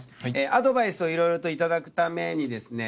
アドバイスをいろいろと頂くためにですね